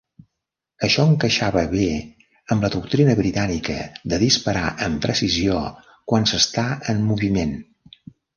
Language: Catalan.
Això encaixava bé amb la doctrina britànica de disparar amb precisió quan s'està en moviment.